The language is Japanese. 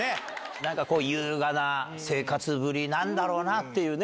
なんかこう、優雅な生活ぶりなんだろうなっていうね。